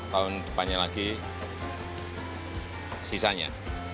tahun depannya lagi sisanya